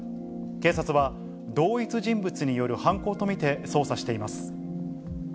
警察は、同一人物による犯行と見て捜査しています。